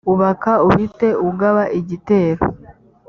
ubaka uhite ugaba igitero